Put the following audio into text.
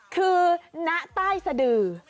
คือณใต้สะดือ